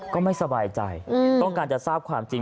ก็ไม่สบายใจต้องการจะทราบความจริง